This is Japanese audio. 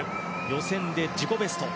予選で自己ベスト。